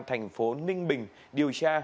thành phố ninh bình điều tra